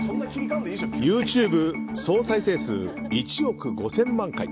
ＹｏｕＴｕｂｅ総再生数１億５０００万回。